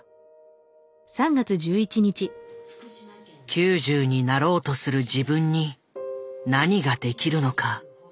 ９０になろうとする自分に何ができるのか。